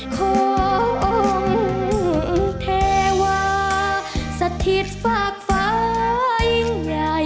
ของเทวาสะทิศฝากฟ้ายิ่งใหญ่